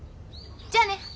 じゃあね！